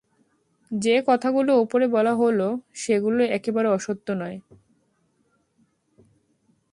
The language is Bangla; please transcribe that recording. যে কথাগুলো ওপরে বলা হলো, সেগুলো একেবারে অসত্য নয়।